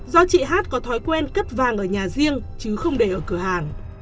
do chị hát có thói quen cất vàng ở nhà riêng chứ không để ở cửa hàng